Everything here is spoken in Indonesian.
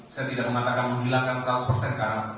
saya tidak mengatakan menghilangkan seratus karang